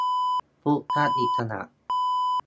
พุทธอิสระ